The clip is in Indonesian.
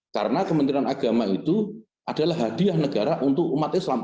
karena kementerian agama itu adalah hadiah negara untuk umat islam